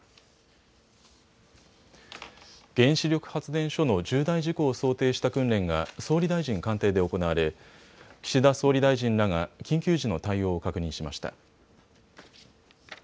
原子力発電所の重大事故を想定した訓練が総理大臣官邸で行われ岸田総理大臣らが緊急時の対応を確認しました。